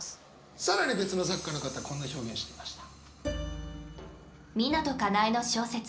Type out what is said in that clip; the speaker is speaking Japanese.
更に別の作家の方こんな表現していました。